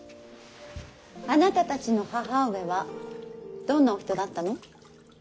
あなたたちの母上はどんなお人だったの。